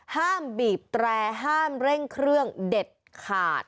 ห้ามบีบแตรห้ามเร่งเครื่องเด็ดขาด